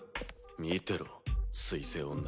見てろ水星女。